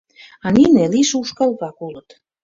— А нине — лийше ушкал-влак улыт.